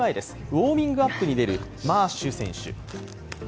ウオーミングアップに出るマーシュ選手。